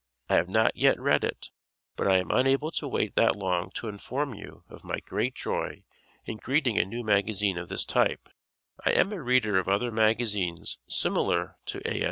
I have not yet read it, but I am unable to wait that long to inform you of my great joy in greeting a new magazine of this type. I am a reader of other magazines similar to A.